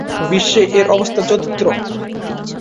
বিশ্বে এর অবস্থান চতুর্থ।